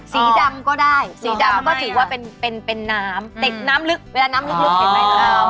สีดำก็ได้สีดำมันก็ถือว่าเป็นเป็นน้ำติดน้ำลึกเวลาน้ำลึกเห็นไหม